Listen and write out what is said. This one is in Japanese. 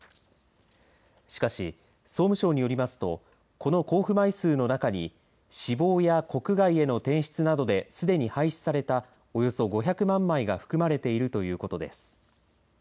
しかし、総務省によりますとこの交付枚数の中に死亡や国外への転出などですでに廃止されたおよそ５００万枚が含まれているということです。